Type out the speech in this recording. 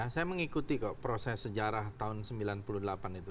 saya mengikuti kok proses sejarah tahun sembilan puluh delapan itu